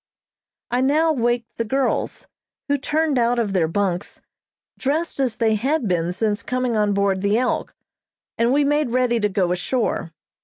I now waked the girls, who turned out of their bunks, dressed as they had been since coming on board the "Elk," and we made ready to go ashore.